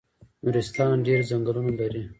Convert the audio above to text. نورستان ډیر ځنګلونه لري